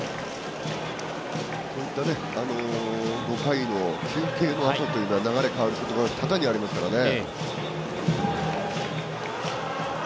こういった５回の休憩のあとというのは流れが変わることが多々ありますからね。